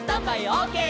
オーケー！」